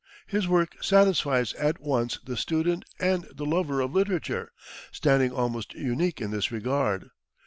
His work satisfies at once the student and the lover of literature, standing almost unique in this regard.